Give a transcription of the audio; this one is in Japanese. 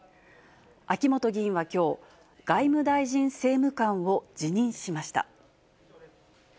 秋本議員はきょう、外務大臣政務官を辞任しました。